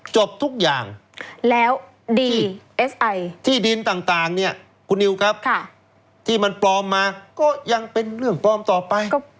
จบทุกอย่างแล้วดีที่เอสไอที่ดินต่างเนี่ยคุณนิวครับที่มันปลอมมาก็ยังเป็นเรื่องปลอมต่อไป